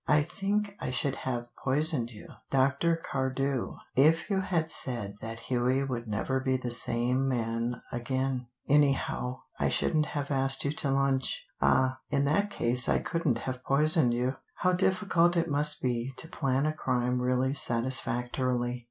I think I should have poisoned you, Dr. Cardew, if you had said that Hughie would never be the same man again: anyhow I shouldn't have asked you to lunch. Ah, in that case I couldn't have poisoned you! How difficult it must be to plan a crime really satisfactorily.